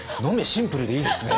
シンプルでいいですね。